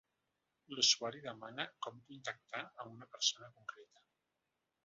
L'usuari demana com contactar amb una persona concreta.